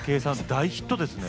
大ヒットですね。